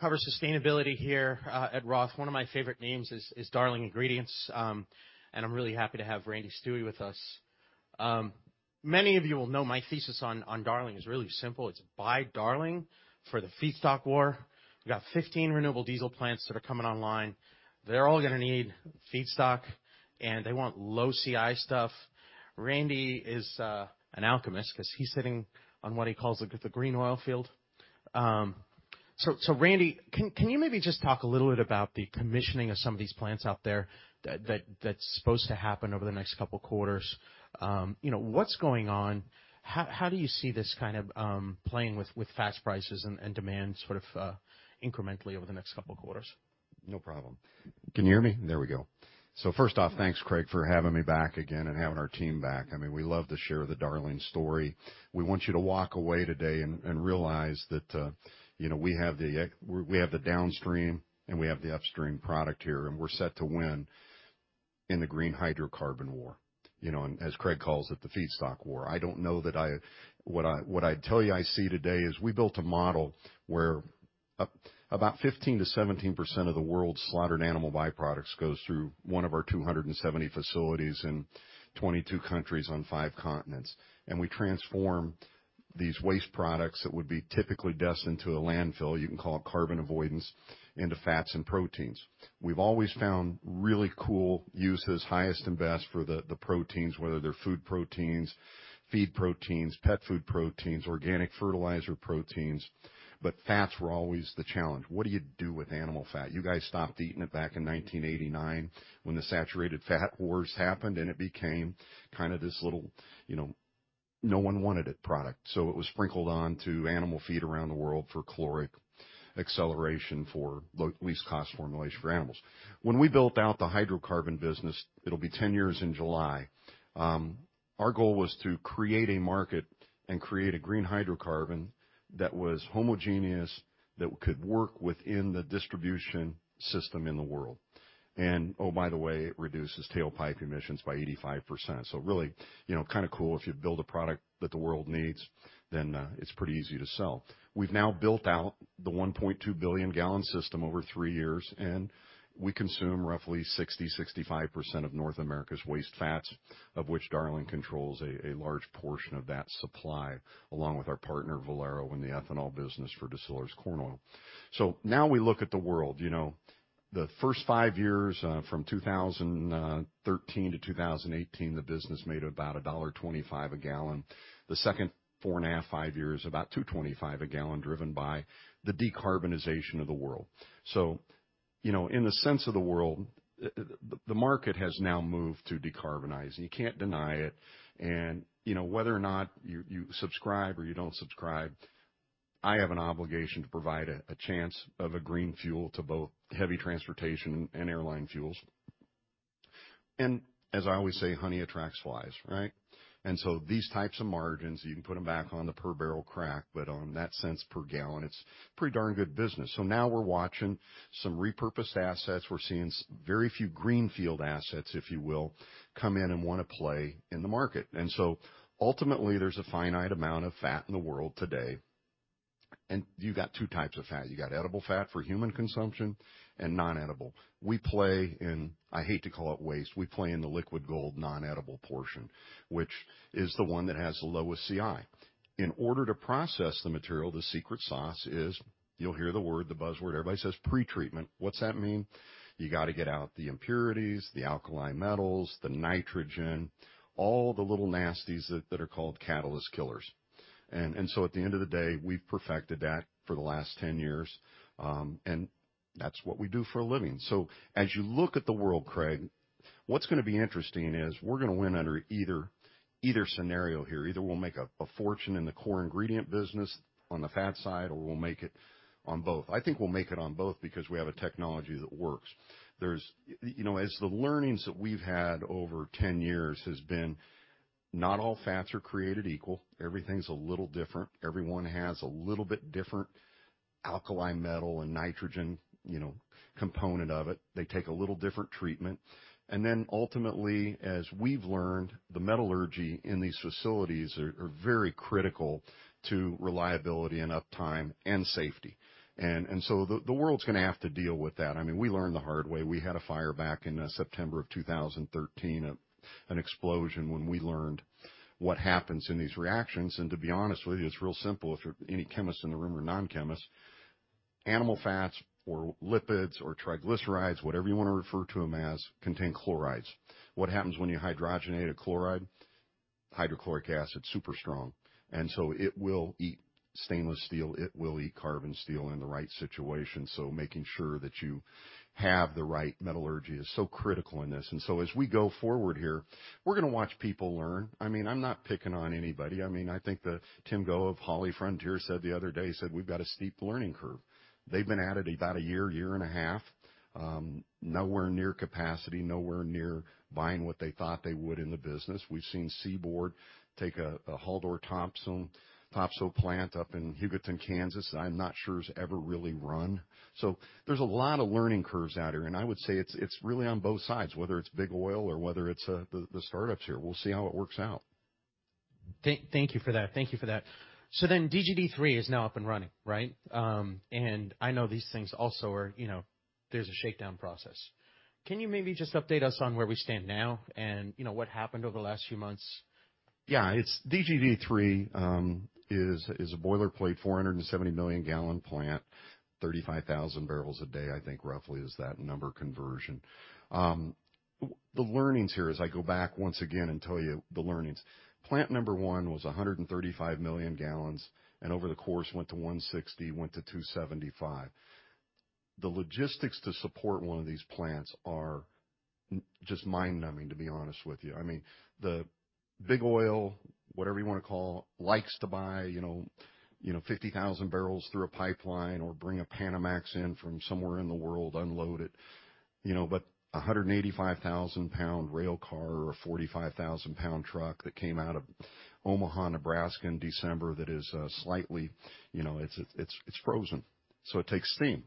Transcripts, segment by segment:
Cover sustainability here at ROTH. One of my favorite names is Darling Ingredients. I'm really happy to have Randy Stuewe with us. Many of you will know my thesis on Darling is really simple. It's buy Darling for the feedstock war. We've got 15 renewable diesel plants that are coming online. They're all gonna need feedstock, and they want low CI stuff. Randy is an alchemist 'cause he's sitting on what he calls the green oil field. Randy, can you maybe just talk a little bit about the commissioning of some of these plants out there that's supposed to happen over the next couple quarters? You know, what's going on? How do you see this kind of playing with fast prices and demand sort of incrementally over the next couple quarters? No problem. Can you hear me? There we go. First off, thanks, Craig, for having me back again and having our team back. I mean, we love to share the Darling story. We want you to walk away today and realize that, you know, we have the downstream and we have the upstream product here, and we're set to win in the green hydrocarbon war, you know, and as Craig calls it, the feedstock war. I don't know that I What I'd tell you I see today is we built a model where about 15%-17% of the world's slaughtered animal byproducts goes through one of our 270 facilities in 22 countries on 5 continents. We transform these waste products that would be typically destined to a landfill, you can call it carbon avoidance, into fats and proteins. We've always found really cool uses, highest and best for the proteins, whether they're food proteins, feed proteins, pet food proteins, organic fertilizer proteins. Fats were always the challenge. What do you do with animal fat? You guys stopped eating it back in 1989 when the Saturated Fat Wars happened. It became kind of this little, you know, no one wanted it product. It was sprinkled on to animal feed around the world for caloric acceleration, for least cost formulation for animals. When we built out the hydrocarbon business, it'll be 10 years in July, our goal was to create a market and create a green hydrocarbon that was homogeneous, that could work within the distribution system in the world. Oh, by the way, it reduces tailpipe emissions by 85%. Really, you know, kinda cool if you build a product that the world needs, then, it's pretty easy to sell. We've now built out the 1.2 billion gallon system over three years, and we consume roughly 60-65% of North America's waste fats, of which Darling controls a large portion of that supply, along with our partner, Valero, in the ethanol business for distillers corn oil. Now we look at the world. You know, the first 5 years, from 2013 to 2018, the business made about $1.25 a gallon. The second four and a half, 5 years, about $2.25 a gallon driven by the decarbonization of the world. You know, in the sense of the world, the market has now moved to decarbonize, and you can't deny it. You know, whether or not you subscribe or you don't subscribe, I have an obligation to provide a chance of a green fuel to both heavy transportation and airline fuels. As I always say, honey attracts flies, right? These types of margins, you can put them back on the per barrel crack, but on that sense per gallon, it's pretty darn good business. Now we're watching some repurposed assets. We're seeing very few greenfield assets, if you will, come in and wanna play in the market. Ultimately, there's a finite amount of fat in the world today, and you got two types of fat. You got edible fat for human consumption and non-edible. We play in, I hate to call it waste, we play in the liquid gold non-edible portion, which is the one that has the lowest CI. In order to process the material, the secret sauce is, you'll hear the word, the buzzword, everybody says pretreatment. What's that mean? You gotta get out the impurities, the alkali metals, the nitrogen, all the little nasties that are called catalyst killers. At the end of the day, we've perfected that for the last 10 years, and that's what we do for a living. As you look at the world, Craig, what's gonna be interesting is we're gonna win under either scenario here. Either we'll make a fortune in the core ingredient business on the fat side, or we'll make it on both. I think we'll make it on both because we have a technology that works. There's you know, as the learnings that we've had over 10 years has been, not all fats are created equal. Everything's a little different. Everyone has a little bit different alkali metal and nitrogen, you know, component of it. They take a little different treatment. And then ultimately, as we've learned, the metallurgy in these facilities are very critical to reliability and uptime and safety. The world's gonna have to deal with that. I mean, we learned the hard way. We had a fire back in September of 2013, an explosion when we learned what happens in these reactions. To be honest with you, it's real simple. If there are any chemists in the room or non-chemists, animal fats or lipids or triglycerides, whatever you wanna refer to them as, contain chlorides. What happens when you hydrogenate a chloride? Hydrochloric acid, super strong. It will eat stainless steel. It will eat carbon steel in the right situation. Making sure that you have the right metallurgy is so critical in this. As we go forward here, we're gonna watch people learn. I mean, I'm not picking on anybody. I mean, I think that Tim Go of HF Sinclair Corporation said the other day, he said, "We've got a steep learning curve." They've been at it about a year and a half, nowhere near capacity, nowhere near buying what they thought they would in the business. We've seen Seaboard take a Topsoe plant up in Hugoton, Kansas, I'm not sure has ever really run. There's a lot of learning curves out here, and I would say it's really on both sides, whether it's big oil or whether it's the startups here. We'll see how it works out. Thank you for that. Thank you for that. DGD 3 is now up and running, right? I know these things also are, you know, there's a shakedown process. Can you maybe just update us on where we stand now and, you know, what happened over the last few months? Yeah. DGD 3 is a boilerplate 470 million gallon plant, 35,000 barrels a day, I think, roughly is that number conversion. The learnings here as I go back once again and tell you the learnings. Plant number 1 was 135 million gallons, and over the course, went to 160, went to 275. The logistics to support one of these plants are just mind-numbing, to be honest with you. I mean, the big oil, whatever you wanna call, likes to buy, you know, 50,000 barrels through a pipeline or bring a Panamax in from somewhere in the world, unload it, you know. A 185,000 pound rail car or 45,000 pound truck that came out of Omaha, Nebraska in December, that is, you know, it's, it's frozen, so it takes steam.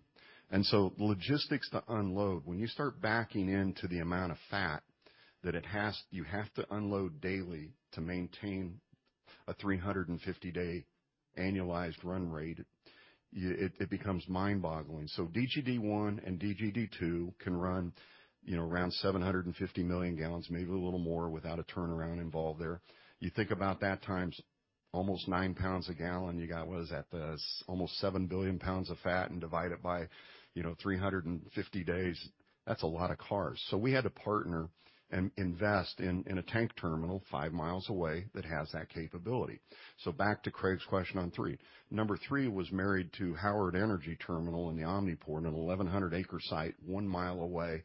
The logistics to unload, when you start backing into the amount of fat that it has. You have to unload daily to maintain a 350 day annualized run rate, it becomes mind-boggling. DGD 1 and DGD 2 can run, you know, around 750 million gallons, maybe a little more, without a turnaround involved there. You think about that times almost 9 pounds a gallon, you got, what is that? Almost 7 billion pounds of fat and divide it by, you know, 350 days. That's a lot of cars. We had to partner and invest in a tank terminal 5 miles away that has that capability. Back to Craig's question on 3. Number 3 was married to Howard Energy Terminal in the OmniPort, a 1,100 acre site 1 mile away.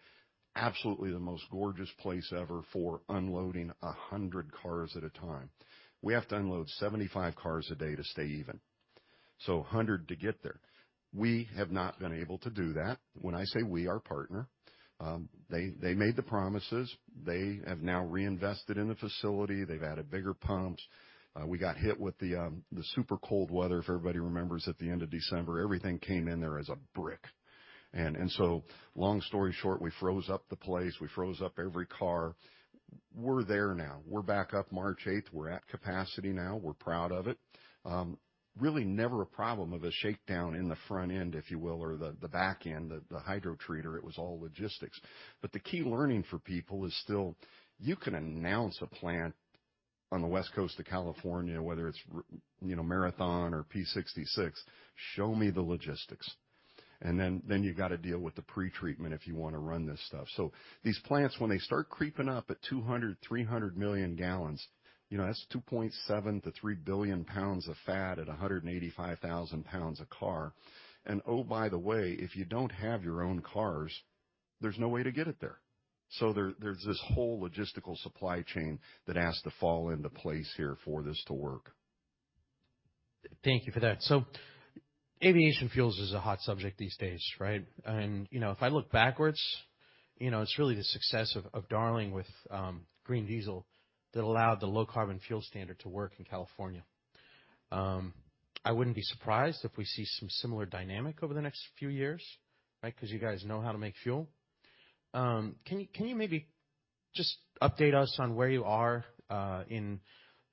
Absolutely the most gorgeous place ever for unloading 100 cars at a time. We have to unload 75 cars a day to stay even. A hundred to get there. We have not been able to do that. When I say we, our partner. They made the promises. They have now reinvested in the facility. They've added bigger pumps. We got hit with the super cold weather, if everybody remembers at the end of December. Everything came in there as a brick. Long story short, we froze up the place. We froze up every car. We're there now. We're back up March 8th. We're at capacity now. We're proud of it. Really never a problem of a shakedown in the front end, if you will, or the back end, the hydrotreater. It was all logistics. The key learning for people is still, you can announce a plant on the West Coast of California, whether it's you know, Marathon or Phillips 66, show me the logistics. Then you've got to deal with the pretreatment if you wanna run this stuff. These plants, when they start creeping up at 200, 300 million gallons, you know, that's 2.7 billion-3 billion pounds of fat at 185,000 pounds a car. Oh, by the way, if you don't have your own cars, there's no way to get it there. There's this whole logistical supply chain that has to fall into place here for this to work. Thank you for that. Aviation fuels is a hot subject these days, right? You know, if I look backwards, you know, it's really the success of Darling with green diesel that allowed the Low Carbon Fuel Standard to work in California. I wouldn't be surprised if we see some similar dynamic over the next few years, right? 'Cause you guys know how to make fuel. Can you maybe just update us on where you are in,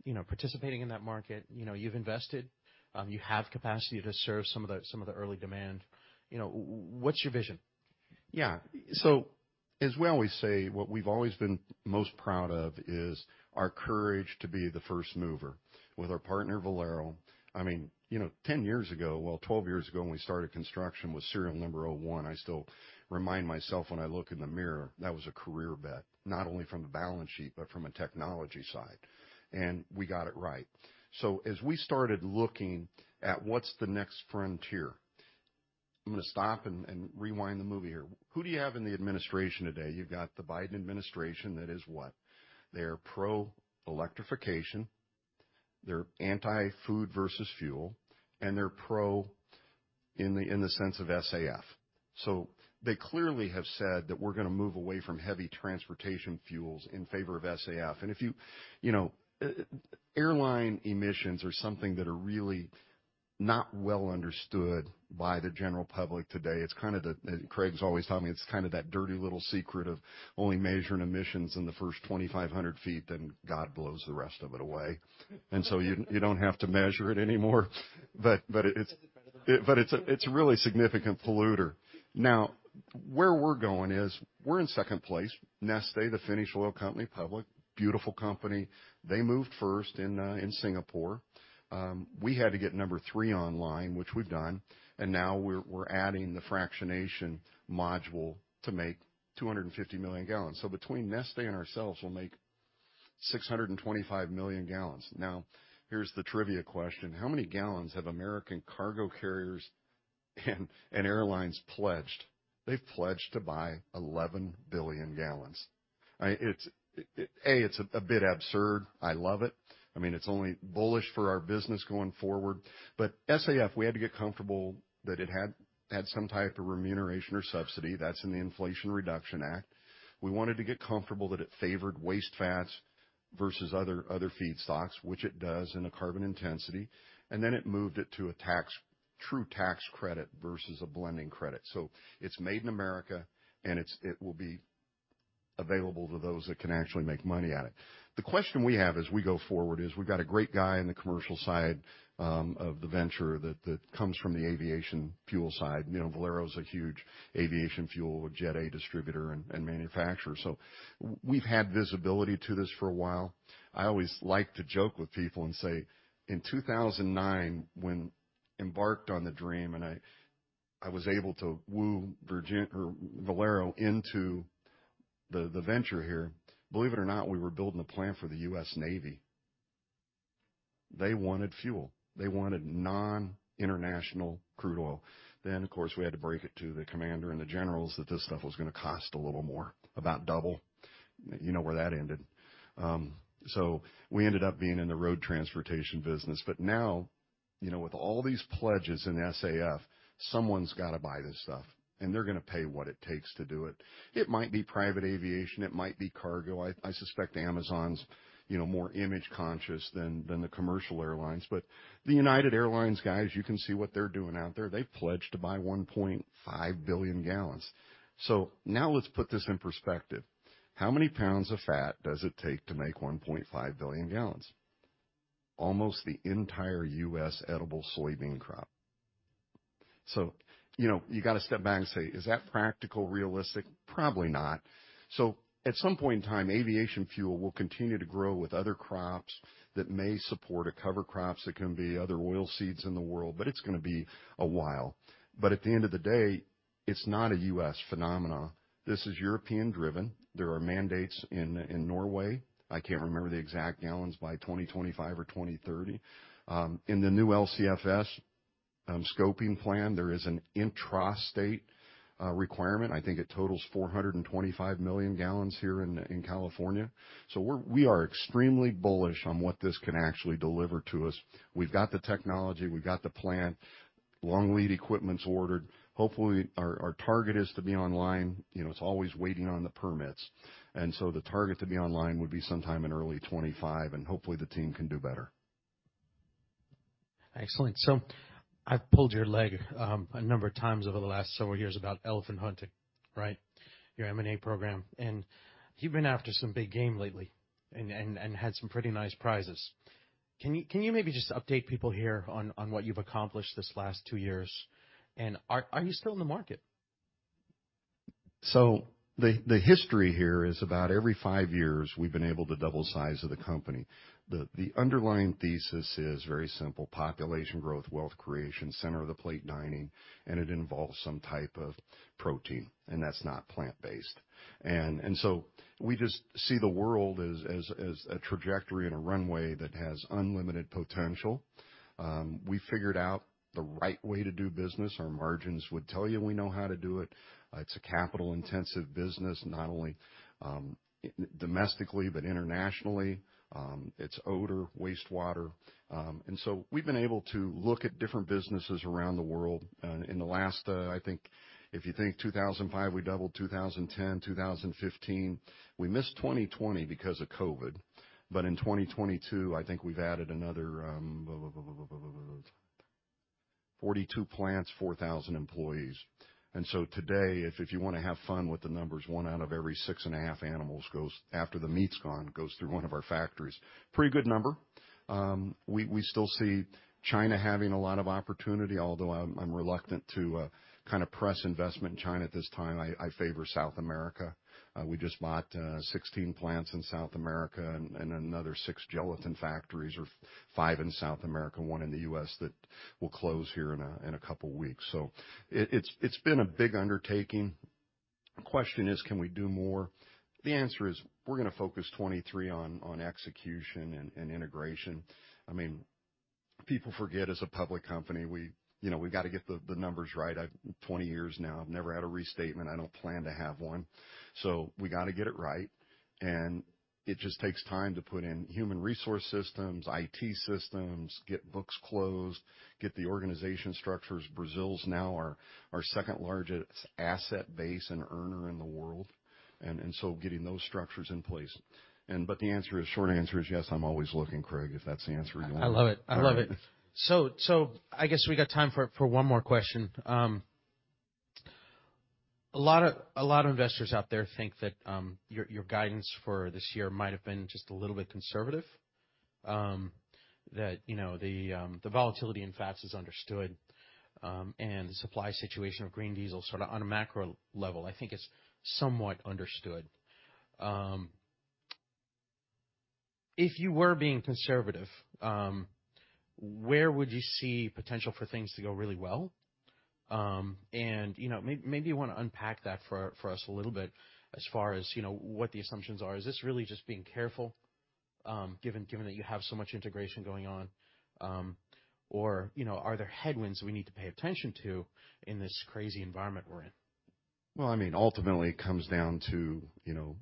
you know, participating in that market? You know, you've invested, you have capacity to serve some of the early demand. You know, what's your vision? Yeah. As we always say, what we've always been most proud of is our courage to be the first mover with our partner, Valero. I mean, you know, 10 years ago, well, 12 years ago, when we started construction with serial number 01, I still remind myself when I look in the mirror, that was a career bet, not only from the balance sheet, but from a technology side. We got it right. As we started looking at what's the next frontier, I'm gonna stop and rewind the movie here. Who do you have in the administration today? You've got the Biden administration that is what? They are pro-electrification, they're anti-food versus fuel, and they're pro in the sense of SAF. They clearly have said that we're gonna move away from heavy transportation fuels in favor of SAF. If you know, airline emissions are something that are really not well understood by the general public today. Craig's always telling me it's kind of that dirty little secret of only measuring emissions in the first 2,500 feet, then God blows the rest of it away. You, you don't have to measure it anymore. It's a, it's a really significant polluter. Where we're going is we're in second place. Neste, the Finnish oil company, public, beautiful company, they moved first in Singapore. We had to get number 3 online, which we've done, and now we're adding the fractionation module to make 250 million gallons. Between Neste and ourselves, we'll make 625 million gallons. Here's the trivia question. How many gallons have American cargo carriers and airlines pledged? They've pledged to buy 11 billion gallons. I mean, it's a bit absurd. I love it. I mean, it's only bullish for our business going forward. SAF, we had to get comfortable that it had some type of remuneration or subsidy that's in the Inflation Reduction Act. We wanted to get comfortable that it favored waste fats versus other feedstocks, which it does in the carbon intensity. It moved it to a true tax credit versus a blending credit. It's made in America, and it will be available to those that can actually make money at it. The question we have as we go forward is, we've got a great guy in the commercial side of the venture that comes from the aviation fuel side. You know, Valero is a huge aviation fuel, Jet A distributor and manufacturer. We've had visibility to this for a while. I always like to joke with people and say, in 2009, when embarked on the dream, and I was able to woo Valero into the venture here. Believe it or not, we were building a plant for the US Navy. They wanted fuel. They wanted non-international crude oil. Of course, we had to break it to the commander and the generals that this stuff was gonna cost a little more, about double. You know where that ended. We ended up being in the road transportation business. Now, you know, with all these pledges in SAF, someone's got to buy this stuff, and they're gonna pay what it takes to do it. It might be private aviation. It might be cargo. I suspect Amazon's, you know, more image-conscious than the commercial airlines. The United Airlines guys, you can see what they're doing out there. They've pledged to buy 1.5 billion gallons. Now let's put this in perspective. How many pounds of fat does it take to make 1.5 billion gallons? Almost the entire U.S. edible soybean crop. You know, you gotta step back and say, "Is that practical, realistic?" Probably not. At some point in time, aviation fuel will continue to grow with other crops that may support a cover crops. It can be other oil seeds in the world, but it's gonna be a while. At the end of the day, it's not a U.S. phenomenon. This is European-driven. There are mandates in Norway. I can't remember the exact gallons by 2025 or 2030. In the new LCFS scoping plan, there is an intrastate requirement. I think it totals 425 million gallons here in California. We are extremely bullish on what this can actually deliver to us. We've got the technology. We've got the plant. Long lead equipment's ordered. Hopefully, our target is to be online. You know, it's always waiting on the permits. The target to be online would be sometime in early 2025, and hopefully the team can do better. Excellent. I've pulled your leg, a number of times over the last several years about elephant hunting, right? Your M&A program. You've been after some big game lately and had some pretty nice prizes. Can you maybe just update people here on what you've accomplished these last 2 years? Are you still in the market? The history here is about every 5 years, we've been able to double the size of the company. The underlying thesis is very simple: population growth, wealth creation, center of the plate dining, and it involves some type of protein, and that's not plant-based. We just see the world as a trajectory and a runway that has unlimited potential. We figured out the right way to do business. Our margins would tell you we know how to do it. It's a capital-intensive business, not only domestically, but internationally. It's odor, wastewater. We've been able to look at different businesses around the world. In the last, I think if you think 2005, we doubled 2010, 2015. We missed 2020 because of COVID. In 2022, I think we've added another 42 plants, 4,000 employees. Today, if you wanna have fun with the numbers, one out of every six and a half animals goes, after the meat's gone, goes through one of our factories. Pretty good number. We still see China having a lot of opportunity, although I'm reluctant to kinda press investment in China at this time. I favor South America. We just bought 16 plants in South America and another 6 gelatin factories or 5 in South America, one in the U.S. that will close here in a couple weeks. It's been a big undertaking. The question is, can we do more? The answer is, we're gonna focus 2023 on execution and integration. I mean, people forget, as a public company, we, you know, we've gotta get the numbers right. 20 years now, I've never had a restatement. I don't plan to have one. We gotta get it right. It just takes time to put in human resource systems, IT systems, get books closed, get the organization structures. Brazil's now our second-largest asset base and earner in the world. So getting those structures in place. The answer is, short answer is yes, I'm always looking, Craig, if that's the answer you want. I love it. I love it. I guess we got time for one more question. A lot of investors out there think that your guidance for this year might have been just a little bit conservative. That, you know, the volatility in fats is understood, and the supply situation of renewable diesel sort of on a macro level, I think is somewhat understood. If you were being conservative, where would you see potential for things to go really well? You know, maybe you wanna unpack that for us a little bit as far as, you know, what the assumptions are. Is this really just being careful, given that you have so much integration going on? you know, are there headwinds we need to pay attention to in this crazy environment we're in? Well, I mean, ultimately, it comes down to, you know,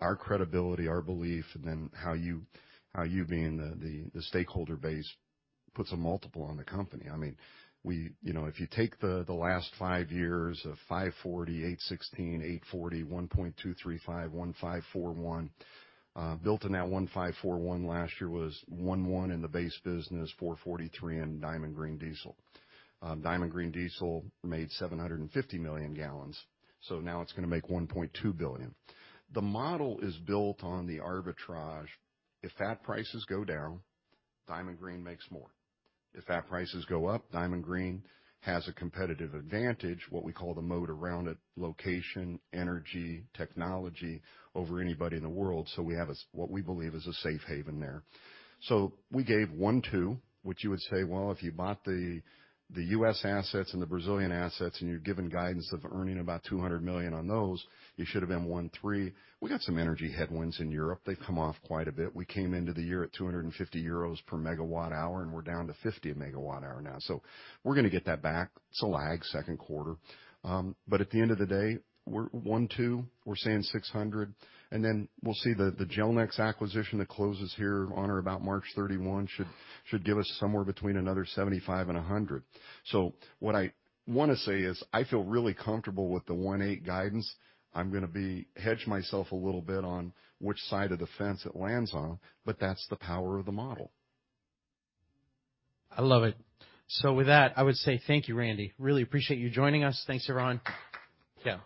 our credibility, our belief, and then how you being the stakeholder base puts a multiple on the company. I mean, you know, if you take the last five years of $540 million, $816 million, $840 million, $1,235 million, $1,541 million, built in that $1,541 million last year was $1,001 million in the base business, $443 million in Diamond Green Diesel. Diamond Green Diesel made 750 million gallons, now it's going to make 1.2 billion. The model is built on the arbitrage. If fat prices go down, Diamond Green makes more. If fat prices go up, Diamond Green has a competitive advantage, what we call the moat around it, location, energy, technology over anybody in the world. We have what we believe is a safe haven there. We gave 1.2, which you would say, well, if you bought the U.S. assets and the Brazilian assets, and you're given guidance of earning about $200 million on those, you should have been 1.3. We got some energy headwinds in Europe. They've come off quite a bit. We came into the year at 250 euros per megawatt hour, and we're down to 50 a megawatt hour now. We're gonna get that back. It's a lag, Q2. At the end of the day, we're 1.2. We're saying $600 million. We'll see the Gelnex acquisition that closes here on or about March 31 should give us somewhere between another $75 million and $100 million. What I want to say is, I feel really comfortable with the 1.8 guidance. I'm gonna hedge myself a little bit on which side of the fence it lands on, but that's the power of the model. I love it. With that, I would say thank you, Randy. Really appreciate you joining us. Thanks, everyone. Yeah.